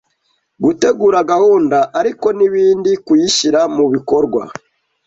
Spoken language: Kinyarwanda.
Gutegura gahunda, ariko nibindi kuyishyira mubikorwa.